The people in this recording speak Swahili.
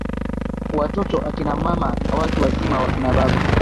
watoto akina mama na watu wazima wakina baba